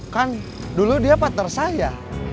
kan dulu dia partner saya